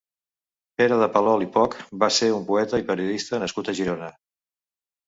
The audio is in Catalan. Pere de Palol i Poch va ser un poeta i periodista nascut a Girona.